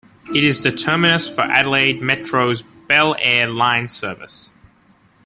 It is the terminus for Adelaide Metro's Belair line service.